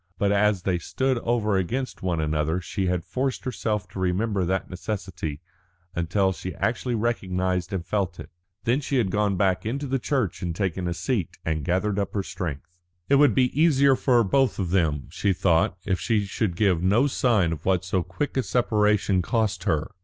But as they stood over against one another she had forced herself to remember that necessity until she actually recognised and felt it. Then she had gone back into the church and taken a seat, and gathered up her strength. It would be easier for both of them, she thought, if she should give no sign of what so quick a separation cost her.